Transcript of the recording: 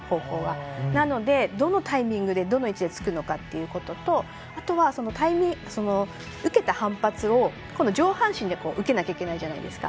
なので、どのタイミングでどの位置でつくのかっていうこととあとは、受けた反発を上半身で受けなきゃいけないじゃないですか。